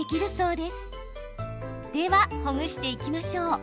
では、ほぐしていきましょう。